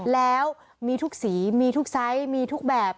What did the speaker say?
แล้วมีทุกสีมีทุกไซส์มีทุกแบบ